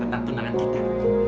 tentang tunangan kita